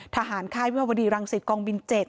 ทหารค่ายพิมพบดีรังศิษย์กองบิน๗